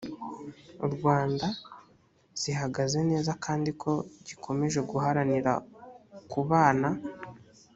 u rwanda zihagaze neza kandi ko gikomeje guharanira kubana